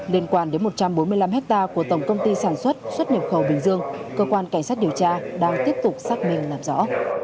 liên quan đến một trăm bốn mươi năm hectare của tổng công ty sản xuất xuất nhập khẩu bình dương cơ quan cảnh sát điều tra đang tiếp tục xác minh làm rõ